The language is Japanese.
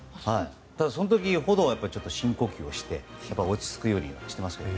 その時ほど深呼吸をして落ち着くようにはしています。